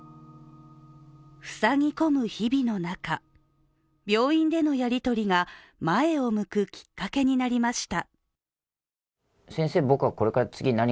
ふさぎ込む日々の中、病院でのやり取りが前を向くきっかけになりました。